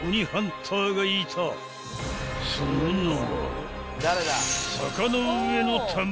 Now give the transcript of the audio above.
［その名は］